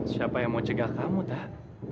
siapa yang mau cegah kamu dah